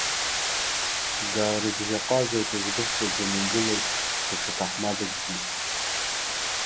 Даарыбжьаҟазеит, згәы ԥҵәаӡаны игылаз даҽа ҭаҳмадакгьы.